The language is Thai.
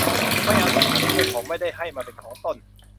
ไม่เอาสิ่งของที่เจ้าของไม่ได้ให้มาเป็นของตน